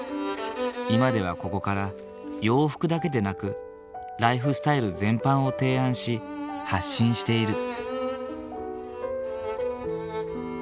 今ではここから洋服だけでなくライフスタイル全般を提案し発信している。